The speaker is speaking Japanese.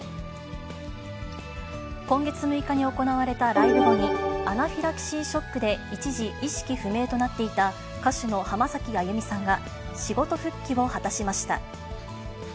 今月６日に行われたライブ後に、アナフィラキシーショックで一時、意識不明となっていた歌手の浜崎あゆみさんが、仕事復帰を果たしました。